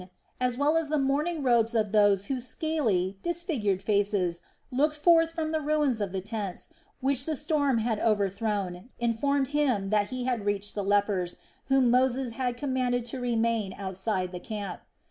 as well as the mourning robes of those whose scaly, disfigured faces looked forth from the ruins of the tents which the storm had overthrown, informed him that he had reached the lepers, whom Moses had commanded to remain outside the camp.